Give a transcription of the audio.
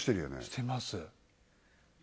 してます